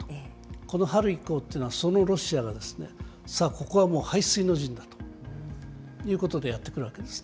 この春以降っていうのは、そのロシアが、さあ、ここはもう背水の陣だということで、やって来たわけなんですね。